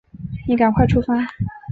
你赶快出发